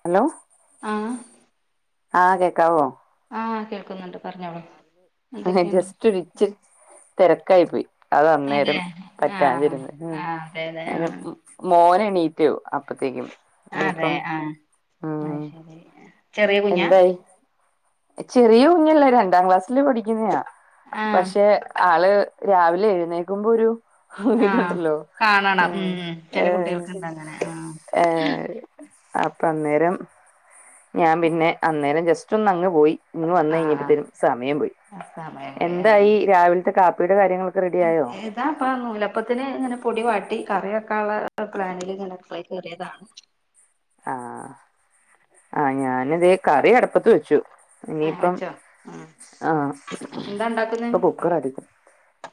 hello ആഹ് ആഹ് കേക്കാവോ ആഹ് കേൾക്കുന്നുണ്ട് പറഞ്ഞോളൂ എന്തൊക്കെയുണ്ട് ജസ്റ്റ് ര്ച്ച് തിരക്കായി പോയി അത അതെ അന്നേരം ആഹ് പറ്റാതിരുന്നെ ആഹ് അതെ അതെ അയ്ന് ആഹ് ഉം മോന് എണീറ്റു അപ്പത്തേക്കും അതെ ഇനിയിപ്പം ആ ഉം അത്ശരി ചെറിയ കുഞ്ഞ എന്തായി ചെറിയ കുഞ്ഞല്ലേ രണ്ടാം ക്ലാസ്സിൽ പഠിക്കുന്നതാ ആഹ് പക്ഷെ ആള് രാവിലെ എഴുന്നേക്കുമ്പോ ഒരു ആഹ് ഇതുണ്ടല്ലോ ഏ കാണണം ഉം ചില ഏ കുട്ടികൾക്കുണ്ട് അങ്ങനെ ആഹ് ഏ അപ്പൊ അന്നേരം ഞാൻ പിന്നെ അന്നേരം ജസ്റ്റ് ഒന്ന് അങ്ങ് പോയി ഇന്ന് വന്ന ആഹ് കഴിഞ്ഞപ്പോത്തേനും സമയം പോയി സമയം പോയി എന്തായി ആഹ് രാവിലത്തെ കാപ്പിയുടെ കാര്യങ്ങളൊക്ക റെഡിയായോ ഇതാ ഇപ്പ നൂലപ്പത്തിന് ഇങ്ങനെ പൊടി വാട്ടി കറിക്കാന ഉുള്ള പ്ലാനില് ഇങ്ങന ടുക്കളേ കേയറിയതാണ് ആഹ് ആ ഞാനതേ കറി അടപ്പത്ത് വെച്ചു ആഹ് ഇനിയിപ്പം വെച്ചോ ആഹ് ആഹ എന്താ ഉണ്ടാക്കുന്നെ ഇപ്പൊ കുക്കർ അടിക്കും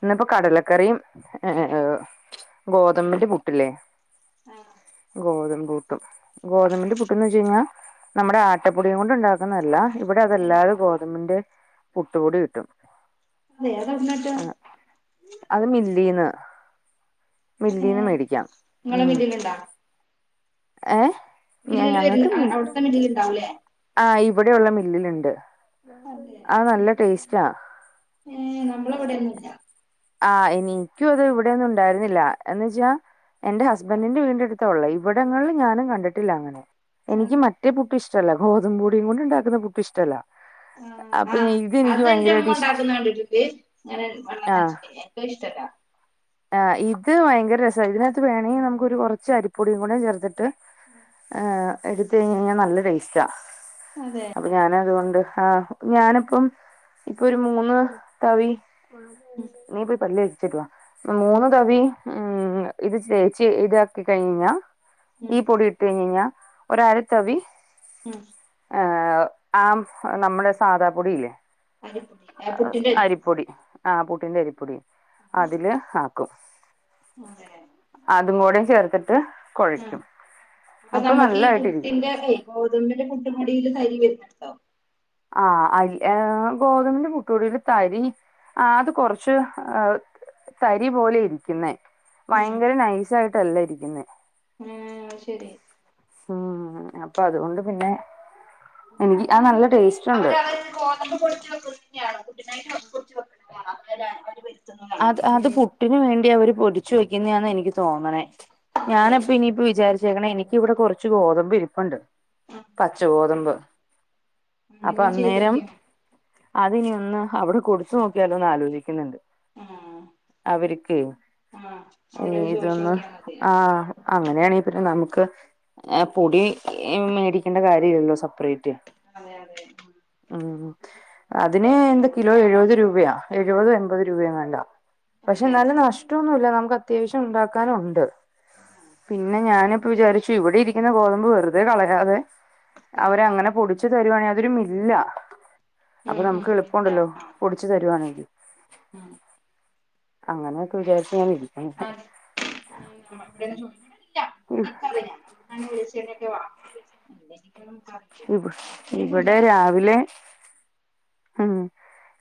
ഇന്നപ്പോ കടലക്കറിയും ഗോതമ്പിന്റെ പുട്ടില്ലേ ആഹ് ഗോതമ്പ പൂട്ടും ഗോതമ്പിന്റെ പുട്ടുന്ന് വെച്ച്ഴിഞ്ഞാൽ നമ്മുടെ ആട്ടപ്പൊടിയും കൊണ്ട ഉണ്ടാക്കുന്നതല്ല ഇവിടെ അതെല്ലാരും ഗോതമ്പിന്റെ പുട്ട് പൊടി കിട്ടും വേറെന്നാകിട്ടാ ആഹ് അത് മില്ലീന്ന് മില്ലീന്ന് ഏഹ് മേടിക്കാം ഉം നിങ്ങളെ വീട്ടിലുണ്ടോ ഏഹ് ഞ മില്ലില് വരുന്ന ഞങ്ങൾക്ക് അവിടുത്തെ മില്ലില് ഇണ്ടാവൂലേ ആഹ് ഇവിടെയുള്ള മില്ലിലുണ്ട് ആഹ് നല്ല ടേസ്റ്റാ ഏഹ് നമ്മളിവിടെ ഒന്നുംല്ല ആഹ് എനിക്കും അത് ഇവിടെന്നും ഉണ്ടായിരുന്നില്ല എന്ന് വെച്ചാ എന്റെ ഹസ്ബൻഡിന്റെ വിടിന്റെ അടുത്തുള്ളെ ഇവിടങ്ങളിൽ ഞാനും കണ്ടിട്ടില്ല അങ്ങനെ എനിക്ക് മറ്റേ പുട്ട് ഇഷ്ടല്ല ഗോതമ്പ് പൊടിയും കൊണ്ട് ഉണ്ടാക്കുന്ന പുട്ട് ഇഷ്ട്ടല്ല ആഹ് ആഹ് അതെന്റെ ഭയങ്കരമായിട്ട് ഉമ്മ ഇഷ്ട ഉണ്ടാക്കുന്ന കണ്ടിട്ടുണ്ട് അങ്ങനെ വെള്ളം ആഹ് നനച്ചിട്ട് എനിക്ക് ഇഷ്ട്ടല്ല ആഹ് ഇത് ഭയങ്കര രസ ഇതിനകത്ത് വേണമെങ്കിൽ നമുക്ക് ഒരു കുറച്ച് അരിപ്പൊടിയും കൂടി ചേർത്തിട്ട് ഏഹ് എടുത്ത് കഴിഞ്ഞാൽ നല്ല ടേസ്റ്റാ അതെ അപ്പൊ ഞാന് അതുകൊണ്ട് ആഹ് ഞാനിപ്പം ഇപ്പൊ ഒരു മൂന്ന് തവി ഉം നീ പോയി പല്ലു തേച്ചിട്ട് വാ മൂന്നു തവി ഉം ഇത് ചേച്ചി ഇതാക്കി കഴിഞ്ഞാ ഉം ഈ പൊടി ട്ടുകഴിഞ്ഞാ ഒരു അരത്തവി ഉം ആഹ് നമ്മുടെ സാദാപ്പൊടിയില്ലേ അരി അരിപ്പുട്ടിന്റെ അരി പൊടി ആ പുട്ടിന്റെ അരിപ്പൊടി അതില് ആക്കും [unintelligible] അതും കൂടെ ചേർത്തിട്ട് ആ കുഴയ്ക്കും അപ്പൊ നമ്മക്ക് ഈ നല്ലായിട്ടിരിക്കും പുട്ടിന്റെ ഏയ് ഗോതമ്പിന്റെ പുട്ട് പൊടിയിൽ തരി വരുന്നുണ്ടോ ആഹ് അരി ഏഹ് ഗോതമ്പിന്റെ പുട്ട് പൊടിയിൽ തരി ആഹ് അത് കൊറച്ച് തരി പോലെയാ ഇരിക്കുന്നേ ഉം ഭയങ്കര നൈസായിട്ടല്ല ഇരിക്കുന്നെ ഉം ശരി ഉം അപ്പൊ അതുകൊണ്ട് പിന്നെ എനിക്ക് ആഹ് നല്ല ടേസ്റ്റ് ഉണ്ട് അവര് അന്നേരം ഗോതമ്പ് പൊടിച്ച് വെക്കുന്ന തന്നെയണോ പുട്ടിനായിട്ട് പൊടിച്ചു വെക്കുന്നതാണോ വരുത്തുന്നതാണോ അത് അത് അങ്ങനേലും പുട്ടിനു വേണ്ടി അവര് പൊടിച്ച് വെക്കുന്നതാന്ന് എനിക്ക് തോന്നണേ ഞാനപ്പൊ അതെ ഇനിയിപ്പൊ വിചാരിച്ചേക്കണെ എനിക്കിവിടെ കുറച്ച് ഗോതമ്പ് ഇരിപ്പുണ്ട് പച്ച ഗോതമ്പ് അപ്പൊ അങ്ങനെ അന്നേരം ചെയ്തോക്കിയാ മതി അതിനി ഒന്ന് അവിടെ കൊടുത്തു നോക്കിയാലോ എന്ന് ആലോചിക്കുന്നുണ്ട് ആഹ് അവരിക്ക് ആഹ് അവിടെ ഏഹ് ഇതൊന്ന് ചോദിച്ചോക്കിയാ മതി ആഹ് അങ്ങനെയാണ് അങ്ങനെയാണെ പിന്നെ നമുക്ക് ആഹ് പൊടി മേടിക്കേണ്ട കാര്യമില്ലല്ലോ സെപ്പറേറ്റ് അതെ അതെ ഉം അതിന് എന്താ കിലോ എഴുപത് രൂപയാ എഴുപത് എൺപത് രൂപയങ്ങ ഉം പക്ഷെ അതെ നല്ല നഷ്ടം ഒന്നുമില്ല നമുക്ക് അത്യാവശ്യം ഉണ്ടാക്കാനുണ്ട് ആഹ് പിന്നെ ഞാനിപ്പ വിചാരിച്ചു ഇവിടിരിക്കുന്ന ഗോതമ്പ് വെറുതെ കളയാതെ ആഹ് അവരങ്ങനെ പൊടിച്ചു തരുവാണെങ്കിൽ അതൊരു മില്ലാ അപ്പൊ ഉം ഉം നമുക്ക് ഇല്ല എളുപ്പവുണ്ടല്ലോ ആഹ് പൊടിച്ച് തരുവാണെങ്കിൽ ഉം അങ്ങനെയൊക്കെ വിചരിച്ചാൽ മതി ആഹ് [unintelligible] ഞാൻ വിളിച്ചുകഴിഞ്ഞിട്ട് വാങ്ങാ ഇവിടെ രാവിലെ ഉം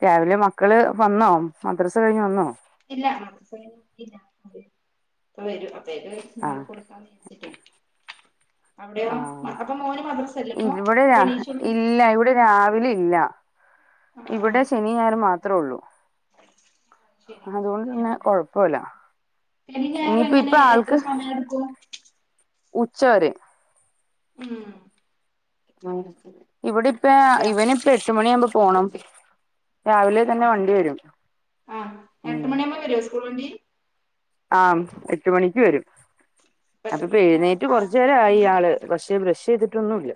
രാവിലെ മക്കള് വന്നോ മദ്രസ കഴിഞ്ഞ് വന്നോ ഇല്ല വരുമ്പോ ആഹ് അപ്പൊ ഉണ്ടാക്കി കൊടുക്കാം അവിടെയോ ആഹ് അപ്പൊ മോന് മദ്രസല്ല ഇപ്പൊ ഇവിടെ രാ ഇപ്പെണീച്ചൊള്ളൂ ഇല്ല ഇവിടെ രാവിലെ ഇല്ല ആഹ് ഇവിടെ ശനിയും ഞായറും മാത്രേ ഒള്ളൂ ശരി അതോണ്ട് തന്നെ അങ്ങനെയാണല്ലേ കൊഴപ്പല്യ ശനി ഞായറും ഇനിയിപ്പ എങ്ങനെ ഇപ്പൊ എത്ര ആൾക്ക് സമയം എടുക്കും ഉച്ച വരെ ഉം ഇവിടിപ്പ അതെയ ഇവനിപ്പ എട്ട് മണി ആവുമ്പോ പോണം രാവിലെ തന്നെ അതെ വണ്ടി വരും ഉം എപ്പോ വരും സ്കൂൾ വണ്ടി ആഹ് എട്ട് മണിക്ക് വരും അപ്പ അപ്പോ എത്ര ഇപ്പൊ മണിക്കാ എഴുന്നേറ്റ് ക്ലാസ് കൊറച്ചുനേരായി സ്റ്റാർട്ടിങ് ആള് പക്ഷേ ബ്രഷ് ചെയ്തിട്ടൊന്നുല്ല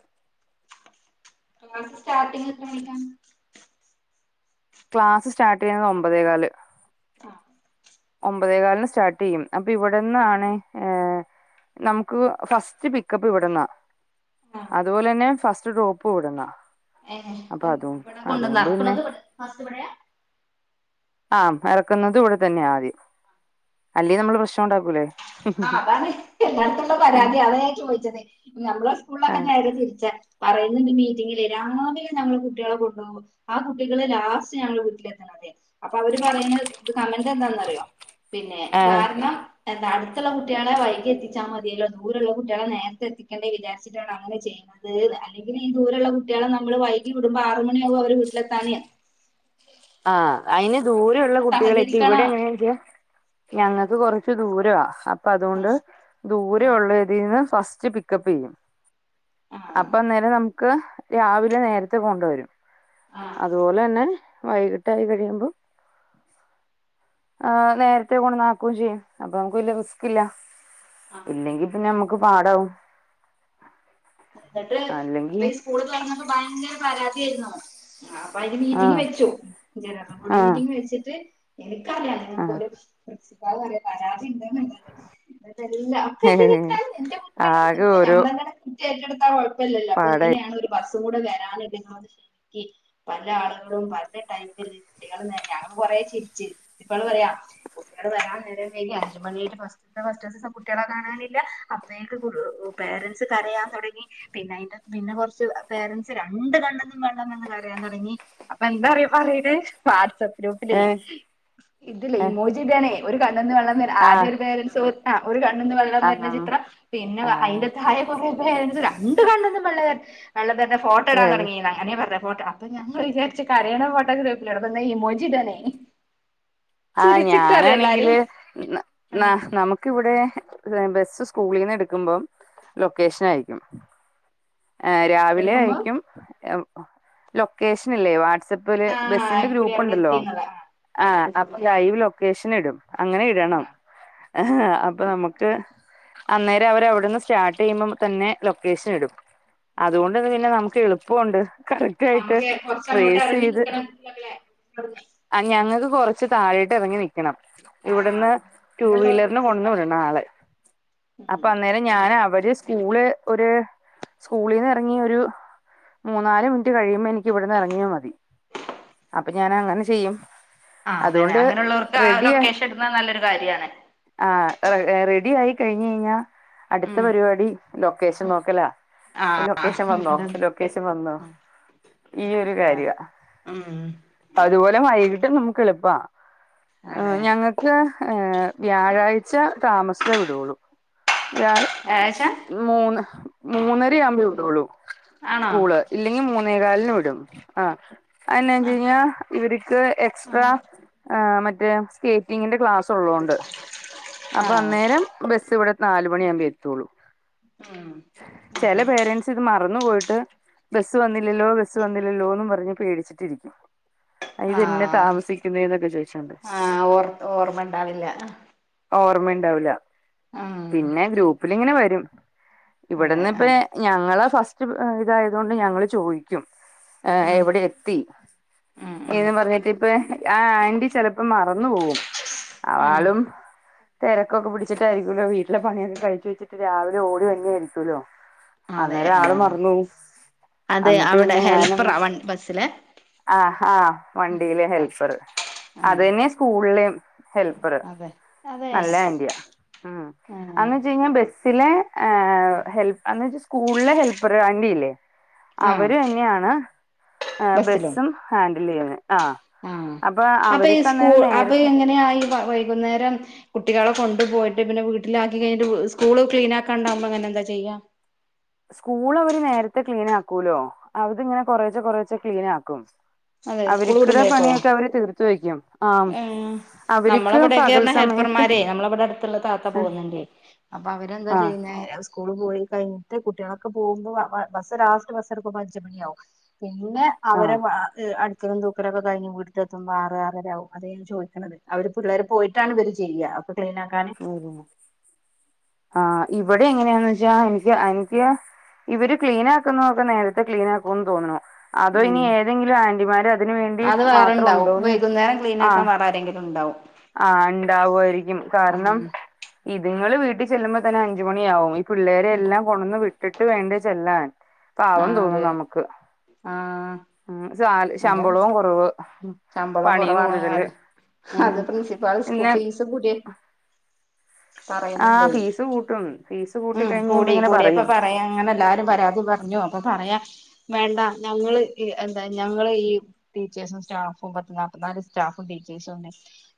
നിങൾക്ക് സ്റ്റാട്ടിംഗ് എത്ര മണിക്ക ക്ലാസ് സ്റ്റാർട്ട് ചെയ്യുന്നത് ഒമ്പതേകാല് ആഹ് ഒമ്പതേകാലിന് സ്റ്റാർട്ട് ചെയ്യും അപ്പൊ ഇവിടെന്നാണ് ഏഹ് നമുക്ക് ഫസ്റ്റ് പിക്കപ്പ് ഇവിട്ന്നാ ആഹ് അതുപോലെന്നെ ഫസ്റ്റ് ഡ്രോപ്പും ഇവിടുന്ന ഏഹ് ഇവിടെ കൊണ്ടന്നർക്കണതും ഇവിടെ ഫാസ്റ്റ് ഇവിടെയാ ആഹ് എറക്കുന്നുന്നതും ഇവിടെ തന്നെയ ആദ്യം അല്ലെ നമ്മള് പ്രശ്നം ഉണ്ടാക്കൂലേ ആഹ് അതാണ് എല്ലാട്ത്തുള്ള പരാതി അതാ ഞാൻ ചോദിച്ചത് നമ്മളെ ആ സ്കൂളിലൊക്കെ നേരെ തിരിച്ച പറയുന്നുണ്ട് മീറ്റിങ്ങിലെ രാവിലെ നമ്മള് കുട്ടികളെ കൊണ്ടുപോവും ആ കുട്ടികള് ലാസ്റ്റ് ഞങ്ങളെ വീട്ടിലെത്ത്ണതെ അപ്പൊ അവര് പറയ്ണ ഇത് കമന്റ് എന്താന്നറിയോ പിന്നെ ഏ കാരണം എന്താ അടു ത്തുള്ള കുട്ടികളെ വൈകി എത്തിച്ചാൽ മതിയല്ലോ ദൂരള്ള കുട്ടികളെ നേരത്തെത്തിക്കണ്ടെ വിചാര്ചിട്ടാണ് അങ്ങനെ ചെയ് തത് അത് അല്ലെങ്കിൽ ഈ ദൂരള്ള കുട്ടികളെ നമ്മള് വൈകി വിടുമ്പോ ആറു മണിയാവും അവര് വീട്ടിലെത്താന് ആഹ് അയ്ന് അപ്പൊ ദൂര ഉള്ള നിങ്ങള് കുട്ടികളൊക്കെ ഇവിടെ സഹകരിക്കണം എങ്ങനെച്ച ഞങ്ങൾക്ക് കൊറച്ച് ദൂരവാ അപ്പൊ ആ അതുകൊണ്ട് ആ ദൂരൊള്ള ന്ന് ഫസ്റ്റ് പിക്കപ്പ് ചെയ്യും ആ അപ്പ അന്നേരം നമു ക്ക് രാവിലെ നേരത്തെ പോണ്ട് വരും ആ അതുപോലെ തന്നെ വൈകിട്ടായി കഴിയുമ്പോ ആഹ് നേരത്തെ കൊട്ന്നാക്കുകയും ചെയ്യും അപ്പൊ നമുക്ക് വലിയ റിസ്ക്കില്ല ആ ഇല്ലെങ്കി പിന്നെ നമ്മക്ക് പാടാവും എന്നിട്ട് ഇപ്പൊ അല്ലെങ്കിൽ ഈ സ്കൂള് തൊറന്നപ്പൊ ഭയങ്കര പരാതിയായിരുന്നു ആഹ് അപ്പൊ അയ്ന് മീറ്റിംഗ് ആഹ് വെച്ചു ജനറൽ ബോഡി ആഹ് മീറ്റിംഗ് വെച്ചിട്ട് എനിക്കറിയാം നിങ്ങക്ക ആഹ് പ്രിൻസിപ്പാൾ പറയ പരാതി പ്പൊ എന്റെ തെറ്റാണ് എന്റെ കുറ്റാണ് ആകെ ന്നാപിന്നെ ഓരോ ഞമ്മളന്നെ കുറ്റം ഏറ്റെടുത്താ കൊഴപ്പം കൊഴപ്പല്ലല്ലോ അപ്പൊ പാടായി ഇങ്ങനെയാണ് ഒരു ബസ്സും കൂടെ വരാനിണ്ട് പല ആളുകളും പല ടൈപ്പില് കുട്ടികളെ ഞാന് കൊറേ ചിരിച്ച് പ്രിൻസിപ്പള് പറയാ കുട്ടികള് വരാൻ നേരം വൈകി അഞ്ചുമണിയുടെ ബസ് ഫസ്റ്റ്സം കുട്ടികളെ കാണാനില്ല അപ്പയേക്ക് പേരൻ്റ്സ് കരയാൻ തുടങ്ങി പിന്നെ അയ്ന്റെ പിന്നെ കൊറച്ച് പേരൻ്റ്സ് രണ്ട് കണ്ണ്ന്നും വെള്ളംവന്ന് കരയാൻ തൊടങ്ങി അപ്പൊ എന്താ അറിയോ പറിണേ വാട്സ്ആപ്പ് ഗ്രൂപ്പിലേ ഏഹ് ഇതില്ലേ ഏഹ് ഇമോജിടാണേ ഒരു കണ്ണ്ന്ന് വെള്ളം വ ആദ്യം ആഹ് ഒരു പേരെന്റ്സ് ആ ഒരു കണ്ണ്ന്ന് വെള്ളം വരുന്ന ആഹ് ചിത്രം പിന്നെ ആഹ് അയ്ന്റെ താഴെ [unintelligible] രണ്ട് കണ്ണ്ന്നും വെള്ളംവര്നെ വെള്ളം വര്ന ഫോട്ടോ ഇടാൻ വെള്ള തൊടങ്ങിണോ നെ പറഞ്ഞെ ഫോട്ടോ അപ്പൊ ഞങ്ങൾ വിചാരിച്ച് കരയ്ണ ഫോട്ടോ ഗ്രൂപില് ഇടെ വന്നെ ഇമോജി ഇടാണേ ആഹ് ചിരിച്ചിട്ടാ എല്ലാരും ഞാനാണെങ്കില് ന നമുക്ക് ക്ക് ഇവിടെ ബസ് സ്കൂളിന്ന് എടുക്കുമ്പം ലൊക്കേഷൻ അയക്കും ആ രാവിലെ എടുക്കുമ്പോ അയക്കും ലൊക്കേഷൻ ഇല്ലേ വാട്സപ സപില് ആ ബസിന്റെ ഇക്കുറി ഗ്രൂപ്പ് അവിടെ ഉണ്ടല്ലോ എത്തിന്നുള്ള ആ ആഹ് അപ്പൊ ലൈവ് ലൊക്കേഷൻ ഇടും അങ്ങനെ ഇടണം ആ അപ്പൊ നമുക്ക് ക് അന്നേരവര് അവിട്ന്ന് സ്റ്റാട്ടെയ്യുമ്പം തന്നെ ലൊക്കേഷൻ ഇടും ആ ആ അതുകൊണ്ടന്ന് പിന്നെ നമുക്ക് എളുപ്പോണ്ട് കറ നമ്ക്കെ കൊർച്ചങ്ങോട്ട് എറങ്ങി നിക്കണം [unintelligible] ആഹ് ഞങ്ങൾക്ക് കൊറച്ച് താഴേട്ട് എറങ്ങി നിക്കണം ഇവിടുന്ന് ആഹ് അതുകൊണ്ട് ടൂവീലർന് അങ്ങനെയുള്ളവർക്കൊക്കെ കൊണ്ടന്ന് സുഖാണ് വിട് നാള് അപ്പ ഉം അന്നേരം ഞാന് അവര് സ്കൂള് ഒര് സ്കൂളീന്ന് എറങ്ങി ഒരു മൂന്നാല് മിൻറ്റ് കഴിയുമ്പൊ എനിക്ക് ഇവിടെന്ന് എറങ്ങിയാ മതി അപ്പ ഞാന് അങ്ങനെ ചെയ്യും ആഹ് അതെ അതുകൊണ്ട് അങ്ങനെള്ളോർക്ക് ആഹ് ലൊക്കേഷ ഇടുന്നെ നല്ലൊരു കാര്യാണ് ആഹ് റെ റെഡി ആയി കഴിഞ്ഞെഴിഞ്ഞാ അടിത്ത ഉം പരിപാടി ലൊക്കേഷൻ നോക്കലാ ലൊക്കേഷൻ ആഹ് വന്നോ ഇവിടെ ലൊക്കേഷൻ വന്നോ ഈ ഒരു ആഹ് കാര്യാ ഉം അതുപോലെ വൈകിട്ടും നമുക്ക് എളുപ്പ ഏഹ് അതെ ഞങ്ങ ക്ക് ഹേ വ്യാഴാഴ്ച താമസ്ച്ചേ വിടൊള്ളൂ വ്യാഴാ വ്യാഴാഴ്ച മൂന്ന് ഹ് മൂന്നെരെയാവുമ്പേ വിടൊള്ളൂ ആണോ സ്കൂള് ഇല്ലെങ്കി മൂന്നേ കാൽന് വിടും ആഹ് അയെന്നാ ആഹ് വെച്ചേഞ്ഞാ ഇവരിക്ക് എക്സ്ട്രാ ആഹ് ഏഹ് മറ്റേ സ്കേറ്റിങ്ങിന്റെ ക്ലാസ് ഉള്ളോണ്ട് അപ്പം ആഹ് അന്നേരം ബസ് ഇവടെ നാലുമണി ആമ്പെത്തോള്ളൂ ഉം ചെലെ പേരെൻ്റ്സ് കെ മറന്ന് പോയിട്ട് ബസ്സ് വന്നില്ലല്ലോ ബസ്സ് വന്നില്ലല്ലോന്നും പറഞ്ഞ് പേടിച്ചിട്ടിരിക്കും ഏഹ് ഇതെന്ന ആഹ് താമസിക്കുന്നേ ന്നൊക്കെ ചോയിച്ചോണ്ട് ആഹ് ഓർ ഓർമ്മ ഇണ്ടാവില്ല ഓർമ്മെണ്ടാവൂല ഉം പിന്നെ ഗ്രൂപ്പിലിങ്ങനെ വരും അതെ ഇവിടെന്ന് ഇപ്പെ ആഹ് ഞങ്ങള് ഫസ്റ്റ് ഏഹ് ഇതായതോണ്ട് ഞങ്ങള് ചോയ് ക്കും ഏഹ് ഉം എവിടെ എത്തി ഉം ഉം എന്നും പർഞ്ഞിട്ട് ഇപ്പെ ആഹ് ആൻ്റി ചെല പ്പം മറന്ന് പോവും ഉം ആളും തെരക്കൊക്കെ പിടിച്ചിട്ടായിരിക്കൂല്ലോ വീട്ടിലെ പണിയൊക്കെ കഴിച്ചു വെച്ചിട്ട് രാവിലെ ഓടി വര്നെ ആയിര്ക്കോല്ലോ അന്നേരം ആളും ആഹ് മറന്നോവും അതെ അവിടെ ഹെൽപ്പെറാ വൺ ബസ്സിലെ ആഹ് ഹാ വണ്ടീലെ ആഹ് ഹെൽപ്പറ് ആഹ് അതെന്ന്യാ സ്കൂൾലെം ഹെല്പ്പറ് അതെ അതെ നല്ല ആൻ്റിയാ ഉം ആഹ് അന്ന് വച്ചേഞ്ഞാ ബസ്സിലെ ഹെൽ അന്ന് വെച്ചാ സ്കൂൾലെ ഹെൽപ്പർ ആൻ്റില്ലേ ആഹ് അവര് തന്ന്യാണ് ഏഹ് ബസ്സിലോ ബസ്സും ഹാൻഡിലെയ്യ്ന്നെ ആഹ് ആഹ് അപ്പൊ അപ്പ ഈ അവർക്ക് സ്കൂൾ അന്നേരം അപ്പ നേരത്തെ എങ്ങനെയാ ഈ വൈകുന്നേരം കുട്ടികളെ കൊണ്ട് പോയിട്ട് പിന്നെ വീട്ടിലാക്കി കഴിഞ്ഞിട്ട് സ്കൂള് ക്ലീനാക്കാണ്ടാമ്പൊ ഇങ്ങനെ എന്താ ചെയ്യാ സ്കൂള് അവര് നേരത്തെ ക്ലീൻ ആക്കൂലോ അത് ഇങ്ങനെ കൊറേച്ചെ കൊറേച്ചെ ക്ലീൻ ആക്കും അതെ സ്കൂൾ അവരിക്കിടെ വിടുമ്പോഴേക്കോ പണിയൊക്കെ അവര് തീർത്ത് വെയ്ക്കും ഏഹ് നമ്മളെ ഇവടെക്കേ ർണ സമയത്ത് ഹെൽപ്പെർമാരെ നമ്മളവിടെ അടുത്തിള്ള താത്ത പോന്നിണ്ടേ അപ്പ അവരെന്താ ആഹ് ചെയ്യുന്നെ കൂള്ളപോയി കഴിഞ്ഞിട്ട് കുട്ട്യാളൊക്കെ പോമ്പോ ബ ബ ബസ്സ് ലാസ്റ്റ് ബസ്സ് എടുക്കുമ്പോ അഞ്ചുമണിയാവും പിന്നെ അവരെ അ എ അടിക്കലും തൂക്കലൊക്കെ കൈഞ്ഞ് വീട്ടിലെത്തുമ്പോ ആറ് ആറരാവും അതെ ഞാൻ ചോയ്ക്കിണത് അവര് പിള്ളേര് പോയിട്ടാണ് ഇവര് ചെയ്യ അപ്പം ക്ലീനാക്കാൻ ആഹ് ഇവെടെ എങ്ങനെയാന്ന് വെച്ചാ എനിക്ക് എനിക്ക് ഇവര് ക്ലീൻ ആക്കുന്നൊക്കെ നേരത്തെ ക്ലീൻ ആക്കൂന്ന് തോന്നിണു അതോ ഇനി ഉം ഏതെങ്കിലും ആന്റിമാര് അതിന് വേണ്ടി അത് മാത്രം വേറെണ്ടാവും ഉണ്ടോന്നു വൈകുന്നേരം ക്ലീൻ ആക്കാൻ ആഹ് വേറെ ആരെങ്കിലും ഉണ്ടാവും ആ ഇണ്ടാവു ആയിരിക്കും കാര്ണം ഉം ഇതിങ്ങള് വീട്ടി ചെല്ലുമ്പ തന്നെ അഞ്ച് മണിയാവും പിള്ളേരെ എല്ലാം കൊണ്ടന്ന് വിട്ടിട്ട് വേണ്ടെ ചെല്ലാൻ പാവം ആഹ് തോന്നും അതെ നമ്മക്ക് ആഹ് ഉം സാ ശമ്പളോം കൊറവ് ശമ്പളോം കൊറവാണ് ഉം ഹത് പ്രിൻസിപ്പാള് സ്കൂ പിന്നെ ഫീസ് കൂട്ട്യ ആ പറയുന്നുണ്ടേ ഫീസ് കൂട്ടും ഫീസ് കൂട്ടി ഉം കഴിഞ്ഞ് കഴിയുമ്പോ കൂടി ഇങ്ങനെ കൂടിയപ്പം പറയും പറയാ അങ്ങനെ എല്ലാരും പരാതി പറഞ്ഞു അപ്പ പറയാ വേണ്ട ഞങ്ങള് ഹ് എന്താ ഞങ്ങള് ഈ ടീച്ചേഴ്സും സ്റ്റാഫും പ്പ പത്ത് നാല്പ്പത്തി നാല് സ്റ്റാഫും ടീച്ചേഴ്സും ണ്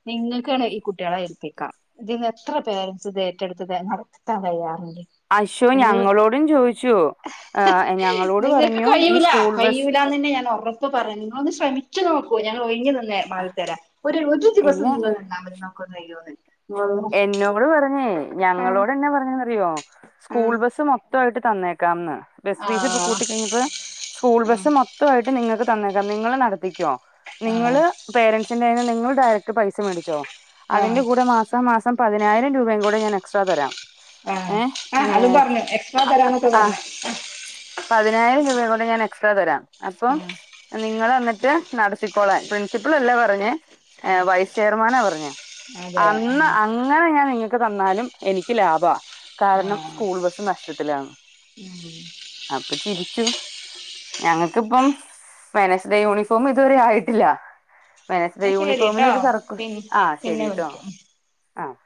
നിങ്ങൾക്കാണ് ഈ കുട്ടികളെ ഏൽപ്പിക്കാം ഇതിന്ന് എത്ര പേരൻറ്സ് ഇത് ഏറ്റെടുത്തത് നടത്താൻ തയ്യാറുണ്ട് ഐശോ നിങ്ങൾ ഞങ്ങളോടും ചോദിച്ചു ഏഹ് ഞങ്ങളോട് നിങ്ങൾക്ക് പറഞ്ഞു ഈ കഴൂല സ്കൂൾ ബസ് കഴൂലാന്ന് തന്നെ ഞാൻ ഒറപ്പ് ഇപ്പം പറയുന്നു നിങ്ങളൊന്ന് ശ്രമിച്ചു നോക്കു ഞങ്ങൾ ഒഴിഞ്ഞ് തന്നെ മാറിത്തരാം ഒരു ഒരു ഇല്ല ദിവസം നിങ്ങൾന്നെ നമുക്ക് നോക്കാൻ കഴിയോന്ന് എന്നോട് പറഞ്ഞേ ഞങ്ങളോട് എന്ന പറഞ്ഞതെന്നറിയോ സ്കൂൾ ബസ് മൊ മൊത്തയിട്ട് തന്നേക്കാംന്ന് ബെസ് ഫീസ് ഇപ്പം ആഹ് കൂട്ടിക്കഴിഞ്ഞപ്പോ സ്കൂൾ ഉം ബസ്സ് മൊത്തമായിട്ട് നിങ്ങക്ക് തന്നേക്കാം നിങ്ങള് നടത്തിക്കോ ആഹ് നിങ്ങള് പേരൻറ്സിന്റെ കൈയ്യിൽ നിന്ന് നിങ്ങള് ഡെയറക്ട് പൈസ മേടിച്ചോ ആഹ് അതിന്റെ കൂടെ മാ മാസ മാസം പതിനായിരം രൂപയും കൂടെ ഞാൻ എക്സ്ട്രാ തരാം ആഹ് ഏ ആഹ് ഏ അതും പറഞ്ഞു എക്സ്ട്രാ തരാന്നൊക്കെ ആ പറഞ്ഞ് പതിനായിരം രൂപയും കൂടെ ഞാൻ എക്സ്ട്രാ തരാം അപ്പൊ ആഹ് നിങ്ങള് വന്നിട്ട് നടത്തിക്കോളാൻ പ്രിൻസിപ്പൾ അല്ല പറഞ്ഞെ ആഹ് വൈസ് ചെയർമാനാ പറഞ്ഞെ ആഹ് അതെ ഇന്ന് ആഹ് അങ്ങനെ ഞാൻ നിങ്ങക്ക് തന്നാലും എനിക്ക് ലാഭാ കാരണം ആഹ് സ്കൂൾ ബസ് നഷ്ടത്തിലാണ് [inaudible] അപ്പൊ ചിരിച്ചു ഞങ്ങക്കിപ്പം വെനസ്ഡേ യൂണിഫോമ് ഇതുവരെ ആയിട്ടില്ല വേണസ്റ്റ് ഡേ ന്നാ ശരിട്ടോ യൂണിഫോമിനൊരു തർക്കം പിൻ ആഹ് പിന്നെ ശെരിട്ടോ വിളിക്കാം ആഹ്